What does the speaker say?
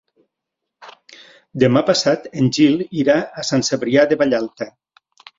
Demà passat en Gil irà a Sant Cebrià de Vallalta.